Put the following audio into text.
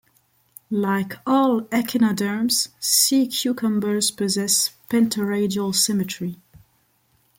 Like all echinoderms, sea cucumbers possess pentaradial symmetry.